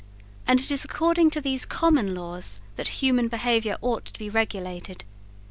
And it is according to these common laws that human behaviour ought to be regulated.